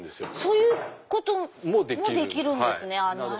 そういうこともできるんですね！